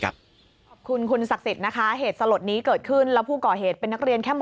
ขอบคุณคุณสักศิษฐ์นะคะ